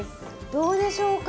どうでしょうか？